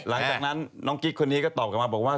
หลังจากนั้นน้องกิ๊กคนนี้ก็ตอบกลับมาบอกว่า